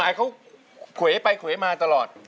ร้องได้ให้ร้อง